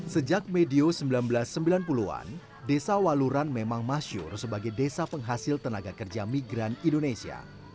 sejak medio seribu sembilan ratus sembilan puluh an desa waluran memang masyur sebagai desa penghasil tenaga kerja migran indonesia